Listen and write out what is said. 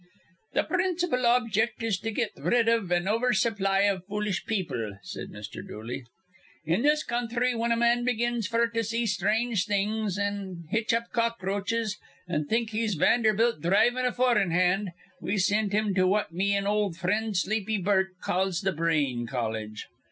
"Th' principal objict is to get rid iv an over supply iv foolish people," said Mr. Dooley. "In this counthry, whin a man begins f'r to see sthrange things, an' hitch up cockroaches, an' think he's Vanderbilt dhrivin' a four in hand, we sind him to what me ol' frind Sleepy Burk calls th' brain college.